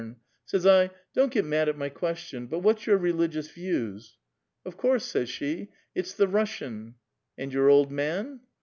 Says I, ' Don't git mad at my question ; but what's your religious views.' ' Of course,' says she, ' it's the Russian.' ' And your old man \myrviz}ini}z\